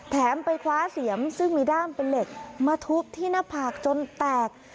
ไปคว้าเสียมซึ่งมีด้ามเป็นเหล็กมาทุบที่หน้าผากจนแตก